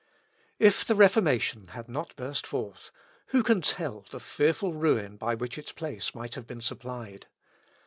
If the Reformation had not burst forth, who can tell the fearful ruin by which its place might have been supplied?